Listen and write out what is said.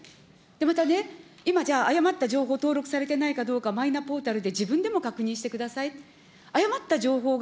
またね、今じゃあ、誤った情報登録されてないかどうか、マイナポータルで自分でも確認してください。